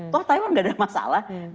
toh taiwan gak ada masalah